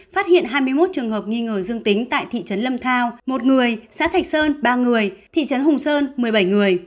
phát hiện hai mươi một trường hợp nghi ngờ dương tính tại thị trấn lâm thao một người xã thạch sơn ba người thị trấn hùng sơn một mươi bảy người